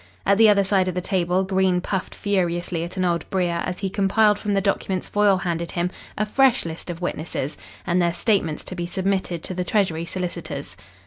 At the other side of the table Green puffed furiously at an old brier as he compiled from the documents Foyle handed him a fresh list of witnesses and their statements to be submitted to the Treasury solicitors.